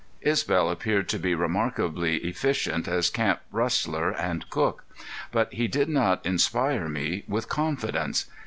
Isbel appeared to be remarkably efficient as camp rustler and cook, but he did not inspire me with confidence.